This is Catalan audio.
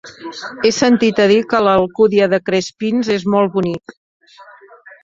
He sentit a dir que l'Alcúdia de Crespins és molt bonic.